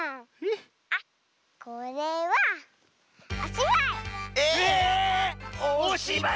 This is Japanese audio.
あっこれはおしばい！